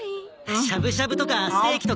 しゃぶしゃぶとかステーキとか。